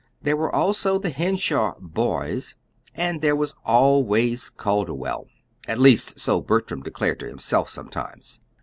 There were also the Henshaw "boys," and there was always Calderwell at least, so Bertram declared to himself sometimes.